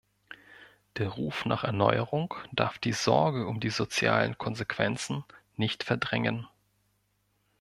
Der Ruf nach Erneuerung darf die Sorge um die sozialen Konsequenzen nicht verdrängen.